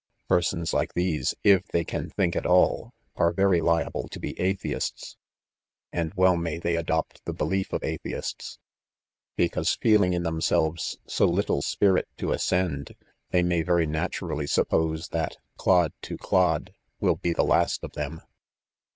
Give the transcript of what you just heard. Persons Eke these, if they ca,% think at (dl 3 are very lrable to he atheists," and ¥/eE may they adopt the belief of atheists | because, feeling in themselves so little spirit to ascend, they may very naturally suppose that "clod to cloi 3i will be the last of them.